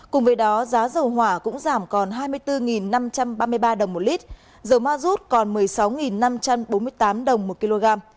cùng với đó giá dầu hỏa cũng giảm còn hai mươi bốn năm trăm ba mươi ba đồng một lít dầu ma rút còn một mươi sáu năm trăm bốn mươi tám đồng một kg